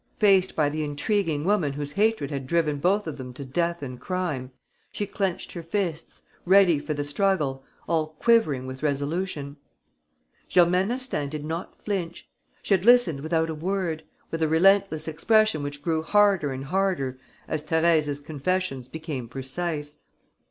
Faced by the intriguing woman whose hatred had driven both of them to death and crime, she clenched her fists, ready for the struggle, all quivering with resolution. Germaine Astaing did not flinch. She had listened without a word, with a relentless expression which grew harder and harder as Thérèse's confessions became precise.